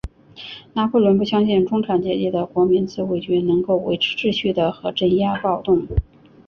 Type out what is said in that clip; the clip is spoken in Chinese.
拿破仑不相信中产阶级的国民自卫军能够维持秩序和镇压暴动。